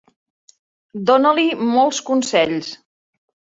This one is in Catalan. Dona-li molts consells.